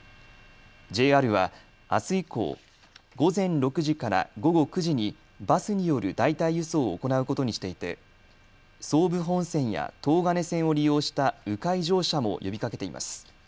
ＪＲはあす以降、午前６時から午後９時にバスによる代替輸送を行うことにしていて総武本線や東金線を利用したう回乗車も呼びかけています。